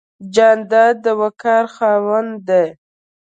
جانداد د وقار خاوند دی.